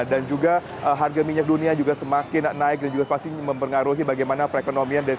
juga harga minyak dunia juga semakin naik dan juga pasti mempengaruhi bagaimana perekonomian